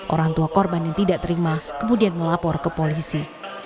orang tua korban yang tidak terima kemudian melapor ke polisi